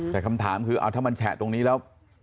แต่คำถามคือเอาถ้ามันแฉะตรงนี้แล้ว